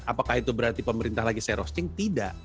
apakah itu berarti pemerintah lagi saya roasting tidak